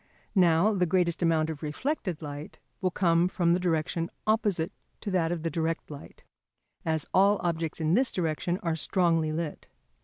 Now, the greatest amount of reflected light will come from the direction opposite to that of the direct light, as all objects in this direction are strongly lit.